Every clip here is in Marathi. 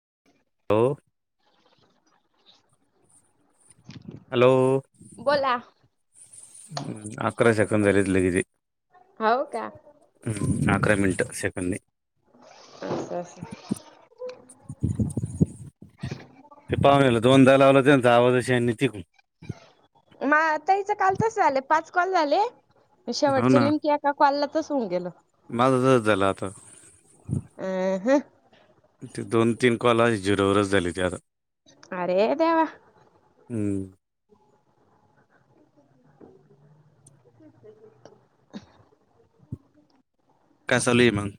ह होॅ हॅलो बोला. हम्म अकरा शेकंदल द लगदीे हो का हम्म अकरा मिनिट सेकंडनी असं असं हे पाहूनलं दोनदा लावलं [unintelligible] मा आता इचं काल तसं झालं पाच कॉल झाले, विशावटचे निम्की याका कल तसं होऊन गेल, माझ झाला आता हम् हम ते दोन तीन कॉला झिरो वरच झाली त आता अरे देवा हम [unintelligible] कचालली मग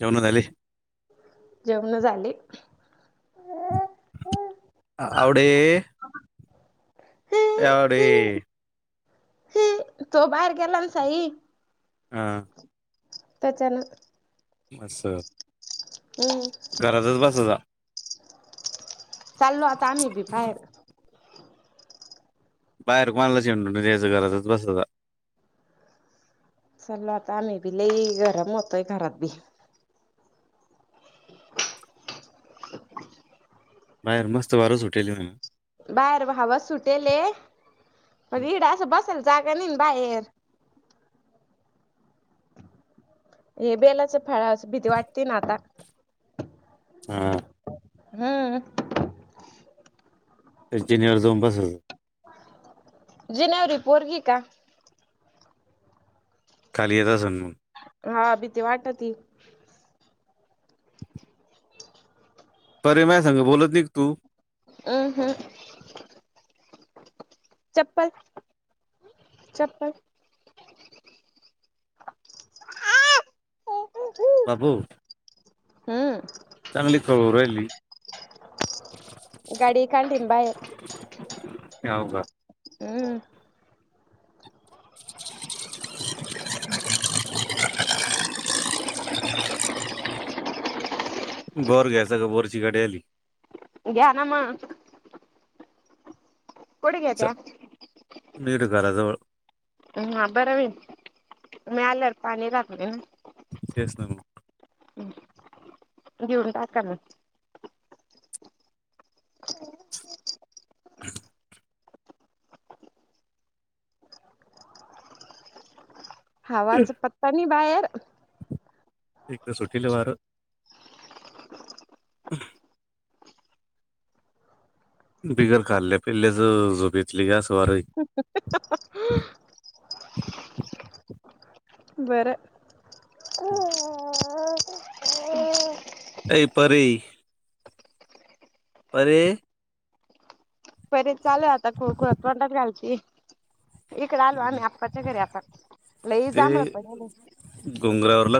जेवनं झाली जेवण झाली. आवडे अर हम् तो बाहेर गेलाना साई हम त्याच्यान असं हम्म घरातच बस जा चालो आता आम्ही बी बाहेर बाहेर कोणालाच ये त्यायच घरातच बसत विसरलो आता आम्ही बी लई गरम होतोय घरात बी बाहेर मस्त वार सुटेल ना बाहेर हवा सुटेले पण हीकड अस बसायला जागा नाही बाहेर हे बेला च फळ भीती वाटते ना आता ह. हम. जिन्यावर जावून बसायच. जिन्यावर पोरगी का? कालियाचा जन्म. हा भीती वाटती परे माझ्या संग बोलत नाही का तू अम हम्म चप्पल चप्पल. बाबू हम्म. चांगली खवळुन राहिली. गाडी काढली ना बाहेर. याव का हम्म. [unintelligible] बोर घ्यायचा का बोरची गाडी आली. घ्या ना मग कुठ चा घेत्या. नीट घराजवळ हा बरं मी मिळाल्यार पाणी टकून तेच ना मग घेऊन टाका ना. [unintelligible] हावाच पत्ता नाही बाहेर इकटे सुटेल वार [unintelligible] बिगर खाल्ले पील्याच झोपेली घेतली का सवारी बरं. हम्म. ऐ परी परे परे चालू आता खुळखूळ तोंडात घालती. इकडे आलो आम्ही आप्पाच्या घरी आता लई ते जांभळ पडल.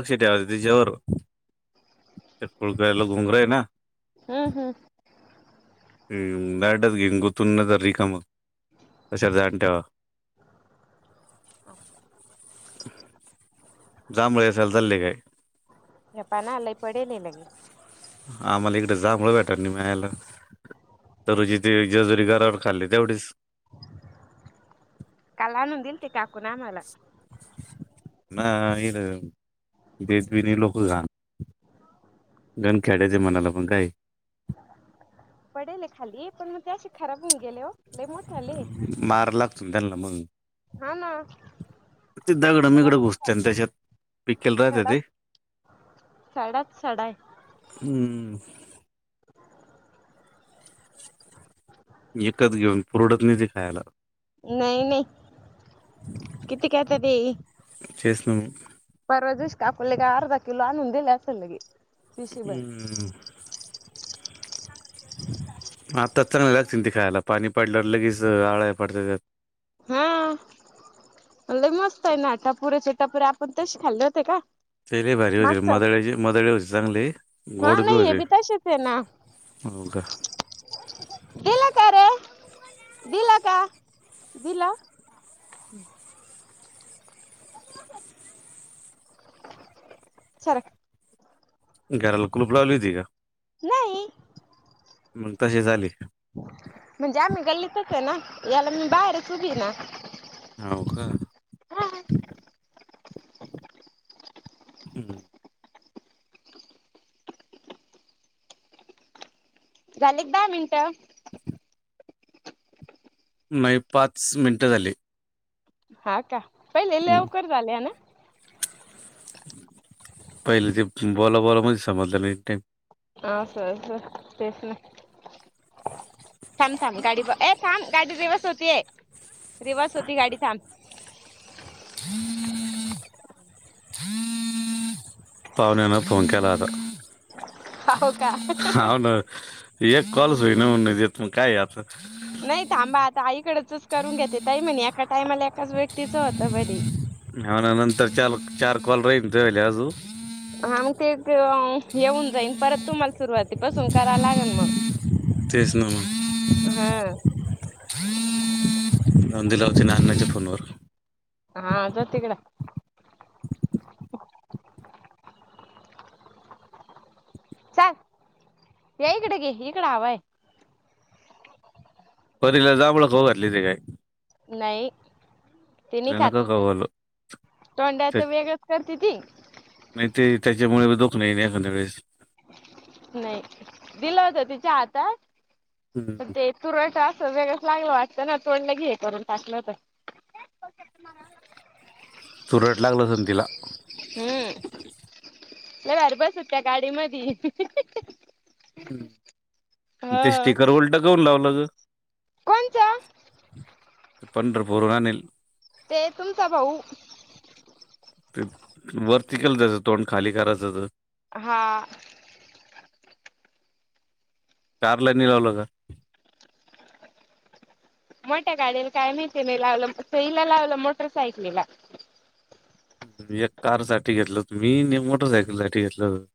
फेट्यावर त्याच्यावर खुळखूळ्याला गुंगरू हाय ना. हम्म हम्म. गारट्यात घेऊन गोतून न तर रिकाम अश ध्यान ठेवा जांबळे असायला चालले काय? जपा ना लय पडेयला नाही लगे. आम्हाला इकडें जांभळ भेट नाही मिळायला तरुजी ते जेजुरी गरावर खाल्ली तेवढेच. काल आणून दिलती काकूूने आम्हाला ना ये देेत ब नाही लोक घ गणखेड्याच्या मनाला पण काय? पडेले खाली पण मग त्याशी खराब होऊन गेले ओ लई मोठ्याले. सुंदारलं म्हणून हा, ना. ते दगडं मेगडं घुसत्यात सडा त्याच्यात, पिकले राहतात सडाच सडा हम्म. एकच घेऊन पुरवडत नाही, ते खायला. नाही, नाही, किती करत्याती तेच ना मग परवा दिवशी- काकुले काय अर्धा किलो आणून दिले असेल लगेच- हम्म. आत- ते चांगली लागतील, ते खायला पाणी पडल्यावर लगेच आळ्या पडत्यात- हा, लई मस्त आहे ना, टपोरीचे टपुरे आपण तसे खाल्ले होते का? ते बी भारी होते. रे मागच मदळेची मदळे होते, चांगले हा गोड बी नाही हे होते, तसेच आहे ना हो का? दिल का रे? दिल का? दिलं? हम्. सरख [unintelligible] घराला कुलूप लावली होती का? नाही. मग तशीच आली? म्हणजे आम्ही गल्लीतच आहे, ना याला मी बाहेरच उभी ना. हव का? हा हम्. झालेत दहा मिनट. [inaudible] नाही, पाच मिनिट झाले. हा, का? पहिले लवकर झाले ना? पहिले ते बोला, बोला, म्हण समजल नाई टाईम- हो, सर तेच ना. थांब, थांब, गाडी बघ ये थांब गाडी व्यवस्थित- [unintelligible] रिवर्स होती गाडी थांब. पावुण्याना फोन केला होता. हो का अन ये [unintelligible] कॉलच होईना, मग काय आता? नई थांबा, आता आईकडचच करून घेते ताई म्हणे- एका टाइमला एकाच व्यक्तीच होत, बरी. मना नंतर चार- चार कॉल राहीन तेले अजून - हा, मग ते, ते, येऊन जाईन परत तुमला- सुरवात- तिपसून करा लागेल मग, तेच ना मग हा. ह. दिलाच नाच्या फूनवर हा जोती कड ल या इकडे घे इकडं हवंय. बरला जाांबळक होगरली त काय? नाही तेनी तिला खात नका खाऊ घालू तोंडा त्या- तर वेगळंच करते ती. नाही ते त्याच्यामुळे दोख नाही नाही एखाद्या वेळेस. नाही दिलं होत तिच्या हातात म हम्म. तूर्यट वेगच लागल वाटत ना तोडलं घी हे करून टाकलं तर. चुरट लागलं सण तिला हम्म ल घर बसत त्या गाडी मध हम्म ते स्टिकर उलट घऊन लावलं. हम. कोणचा? प पंत बर रानतील. ते तुमचा भाऊ. ते वरतीिकल त्याचं तोंड खाली करायचं तर हा. कारलानी लावलं का? मोठ्या गाडीला काय मीती नाही लावलं इला लावलं मोटर सायकलीला एक कार साठी घेतलं होत मी मोटरसायकल साठी घेतलं होत.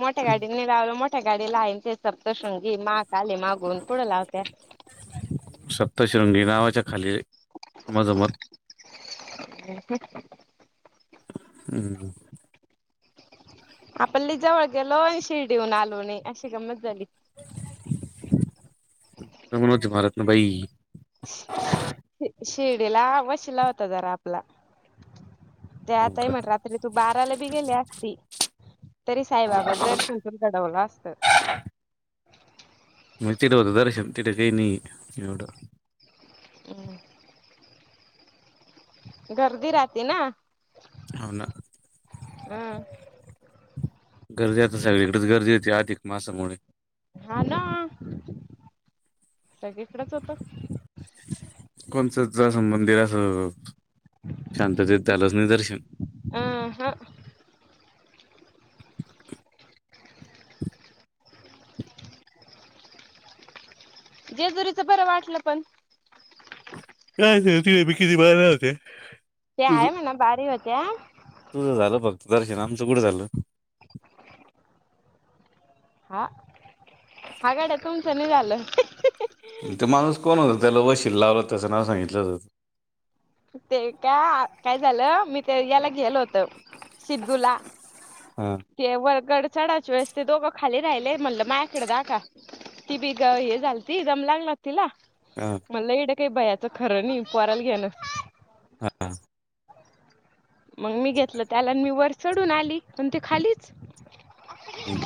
मोठ्या गाडीने लावलं मोठ्या गाडी ला आहेन ते सपतशृंगी मा. ले मागून पुढे लावत. सप्तशृंगी नावाच्या खाली मजमत ह. हम्म. आपली जवळ गेलोय शिर्डीऊन आलोणे अशी गमत झाली. म्हनोज भारतन बाई शिडीला वशीिला होता जरा आपला त्या आत आहे अंका. मट रात्री तू बाराला बी गेली असती. तरी साईबाबाच दर्शन तून घडवलं असत. [unintelligible] म तिथं होत दर्शन तिथं केही नाही एवढं. हम. घर्दी राहती ना. हो ना हम. गरदी आता सगळीकडेच गर्दी होती आत एक मासामुळे हा ना सगळीकडच होत. कोणचंं मंदिर असं शांतत दलाच नि दर्शन अ ह जेजुरीचं बरं वाटलं पण काय त भीकी ती बाहेर नते त्या आहे म ना बारी वत्या तुझं झालं फक्त दर्शन आमचं कुठं झालं हा हा गाड्या तुमचं नि झालं ते माणूस कोण होत त्याला वशीील लावला तसं नाव सांगितलं त ते का काय झालं मी ते याला गेलो होत सिद्धूला हा केवर्गड चडच वेळेस ते दोघं खाली राहिलेय म्हटलं मायकडे दाका ती बीघ हे झाल ती दम लागला हा मलाड काय बायाचं खरं नाही पराला घ्यानं हा मग मी घेतलं त्याला मी वर चढून आली पण ते खालीच हम्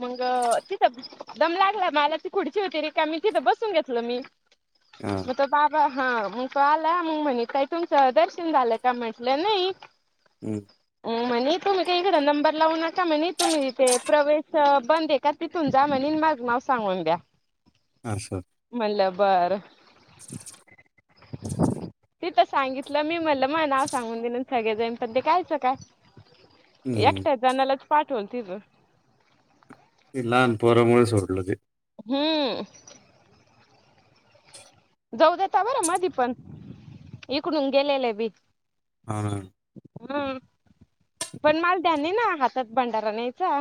मग तिथं दम लागला मला ती खुडची होती रे का मी तिथं बसून घेतलं मी हा म बाबा हा मग तो आला मग म्हणे काई तुमचं दर्शन झालं का म्हंटलं नाही हम् म्हणे तुम्ही का इकडे नंबर लावू नका म्हणे तुमहीिथे प्रवेश बंदे का तिथून जा म्हनी मग नाव सांगून द्या अच्छा बर [unintelligible] ति तर सांगितलं मी मल मग नाव सांगून दिलं सगळे जाईन पण ते कायचं काय हम्म. एकटेचाला पाठवणती तर ल पर मोळ सडलं आहे हम जाऊ देता बरं मधी पण इकडून गेलेले बी हा ना हम पण माल त्यांयानी ना हातात भंडारा न्यायचा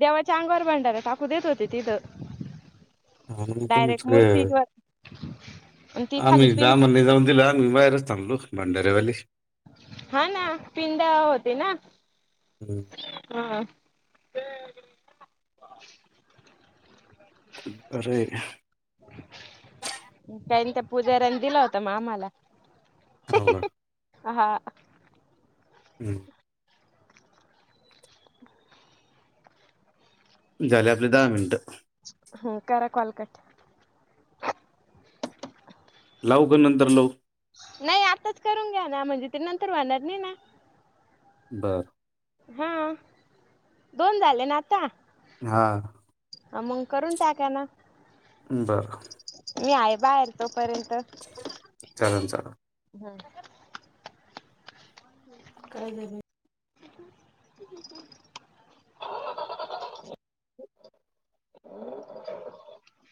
देवाच्या अंगवर भांडार टाकू देत होते तिथं ह तमच डायरेक्ट का मूर्तीवर [inaudible] खाली आम्ही जा पिंड म्हणलं जाऊन दिल आम्ही बाहेरच थांबलो. भंडारेवाली हा ना पिंडा होते ना हम्म. हा ते अरे काही नाही त्या पूज्यारानी दिला होता मा आम्हाला हो का ह हा. हम्म झाले आपले दहा मिनिटं हम् करा कॉल कट लावू का नंतर लावू? नाही आताच करून घ्या ना म्हणजे ते नंतर व्हणार नाही ना बर हा दोन झाले ना आता हा. अ मंग करून टाकाना ह बरं मी आहे बाहेर तोपर्यंत तर चालेल चालेल हम् काय झाले? [inaudible] [inaudible]